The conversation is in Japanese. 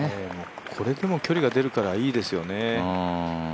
これでも距離が出るからいいですよね。